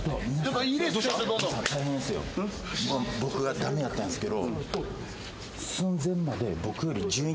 僕が駄目やったんすけど。